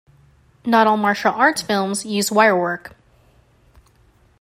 Not all martial arts films use wire work.